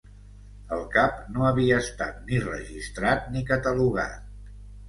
El cap no havia estat ni registrat ni catalogat.